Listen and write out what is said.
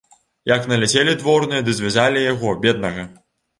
Як наляцелі дворныя ды звязалі яго, беднага.